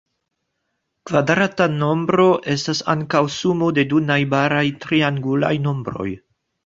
Kvadrata nombro estas ankaŭ sumo de du najbaraj triangulaj nombroj.